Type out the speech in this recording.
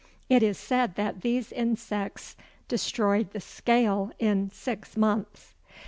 It is said that these insects destroyed the "scale" in six months!